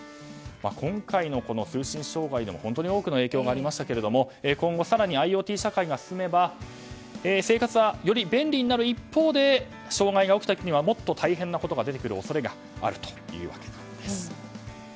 今回のこの通信障害で本当に多くの影響がありましたが今後、更にＩｏＴ社会が進めば生活はより便利になる一方で障害が起きた時にはもっと大変なことが出てくる恐れがあるというわけです。